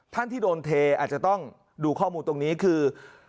ท่านที่โดนเทอาจจะต้องดูข้อมูลตรงนี้คือ